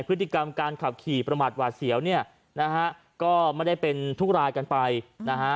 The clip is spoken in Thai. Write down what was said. พฤติกรรมการขับขี่ประมาทหวาดเสียวเนี่ยนะฮะก็ไม่ได้เป็นทุกรายกันไปนะฮะ